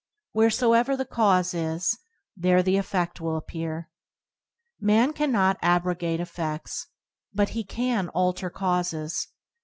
Wheresoever the cause is, there the effed will appear. Man cannot abrogate effeds, but he can alter causes.